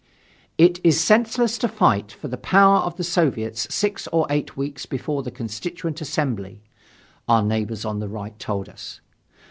"It is senseless to fight for the power of the Soviets six or eight weeks before the Constituent Assembly," our neighbors on the Right told us.